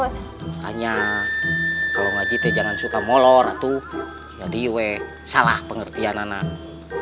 makanya kalau ngajit ya jangan suka molor atau jadi we salah pengertian anak